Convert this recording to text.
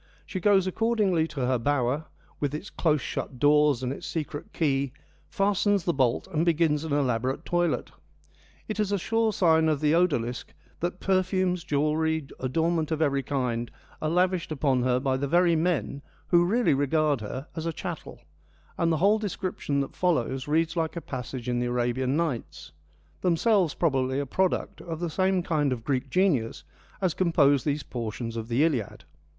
She goes accordingly to her bower, with its close shut doors and its secret key, fastens the bolt, and begins an elaborate toilet. It is a sure sign of the odalisque that perfumes, jewellery, adornment of every kind are lavished upon her by the very men who really regard her as a chattel, and the whole description that follows reads like a passage in the Arabian Nights, themselves probably a product of the same kind of Greek genius as composed these portions of the Iliad.